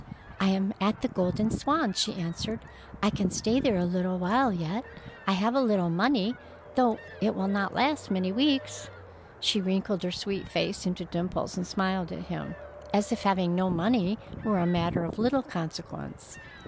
"I am at the Golden Swan," she answered. "I can stay there a little while yet. I have a little money, though it will not last many weeks." She wrinkled her sweet face into dimples and smiled at him, as if having no money were a matter of little consequence.